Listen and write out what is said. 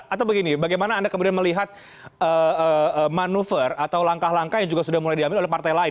atau begini bagaimana anda kemudian melihat manuver atau langkah langkah yang juga sudah mulai diambil oleh partai lain